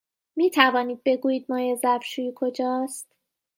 می توانید بگویید مایع ظرف شویی کجاست؟